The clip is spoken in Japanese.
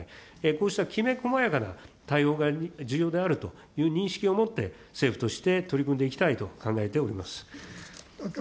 こうしたきめこまやかな対応が重要であるという認識を持って、政府として取り組んでいきたいと考えております。